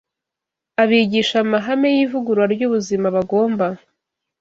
Abigisha amahame y’ivugurura ry’ubuzima bagomba